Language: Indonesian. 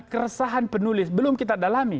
keresahan penulis belum kita dalami